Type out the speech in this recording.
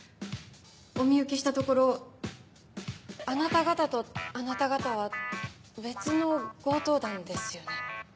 お見受けしたところあなた方とあなた方は別の強盗団ですよね？